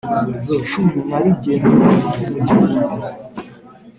Icumu narigemye mu gihumbi